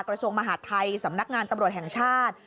กระทรวงมหาดไทยสำนักงานตำรวจแห่งชาติ